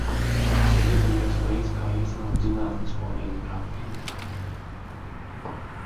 Tas ir vienīgais veids, kā īstenot zinātnisko vienprātību.